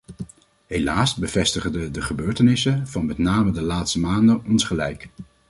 Helaas bevestigen de gebeurtenissen van met name de laatste maanden ons gelijk.